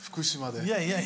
いやいや。